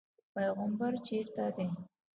پیغمبر چېرته دی.